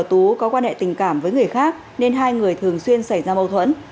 tú có quan hệ tình cảm với người khác nên hai người thường xuyên xảy ra mâu thuẫn